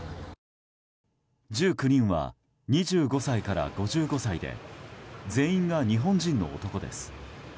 １９人は２５歳から５５歳で全員が日本人の男です。